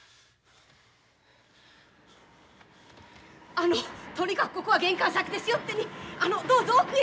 あのとにかくここは玄関先ですよってにあのどうぞ奥へ。